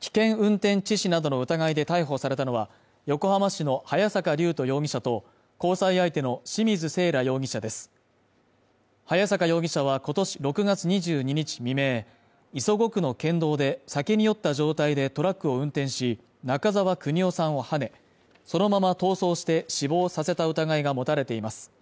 危険運転致死などの疑いで逮捕されたのは横浜市の早坂龍斗容疑者と交際相手の清水せいら容疑者です早坂容疑者は今年６月２２日未明磯子区の県道で酒に酔った状態でトラックを運転し中沢国夫さんをはねそのまま逃走して死亡させた疑いが持たれています